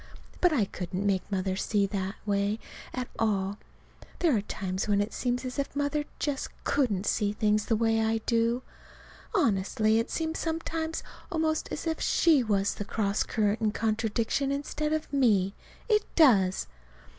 But I couldn't make Mother see it that way at all. There are times when it seems as if Mother just couldn't see things the way I do. Honestly, it seems sometimes almost as if she was the cross current and contradiction instead of me. It does.